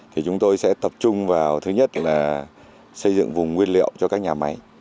thì chúng tôi sẽ tập trung vào thứ nhất là xây dựng vùng nguyên liệu cho các nhà máy